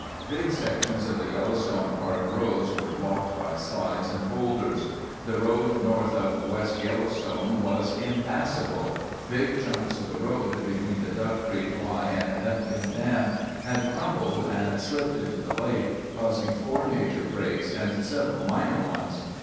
Big sections of the Yellowstone Park roads were blocked by slides and boulders. The road north of West Yellowstone was impassable. Big hunks of the road between the Duck Creek Y and Hebgen Dam had crumbled and slipped into the lake causing four major breaks and several minor ones.